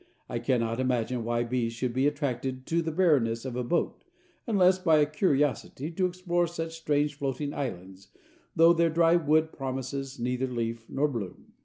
I cannot imagine why bees should be attracted to the barrenness of a boat, unless by a curiosity to explore such strange floating islands, though their dry wood promises neither leaf nor bloom.